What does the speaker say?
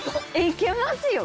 いけますよ！